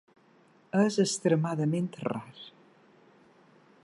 És extremadament rar.